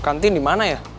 kantin di mana ya